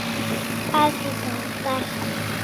Asi dawtar